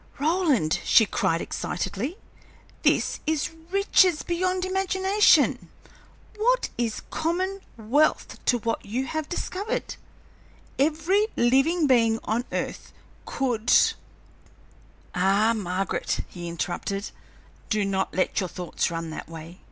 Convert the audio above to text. "Roland," she cried, excitedly, "this is riches beyond imagination! What is common wealth to what you have discovered? Every living being on earth could " "Ah, Margaret," he interrupted, "do not let your thoughts run that way.